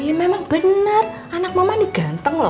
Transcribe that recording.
iya memang benar anak mama ini ganteng lho